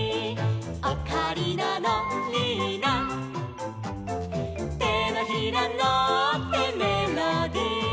「オカリナのリーナ」「てのひらのってメロディ」